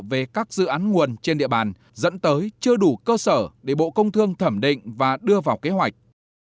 về các dự án nguồn trên địa bàn dẫn tới chưa đủ cơ sở để bộ công thương thẩm định và đưa vào kế hoạch